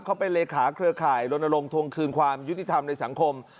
เขาเป็นเลขาเครือข่ายลนลงทวงคืนความยุติธรรมในสังคม